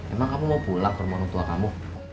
emang kamu mau pulang ke rumah orang tua kamu